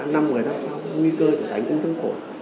năm một mươi năm sau nguy cơ trở thành ung thư phổi